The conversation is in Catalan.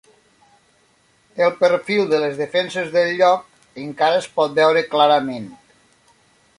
El perfil de les defenses del lloc encara es pot veure clarament.